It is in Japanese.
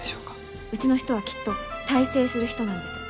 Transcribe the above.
うちの人はきっと大成する人なんです。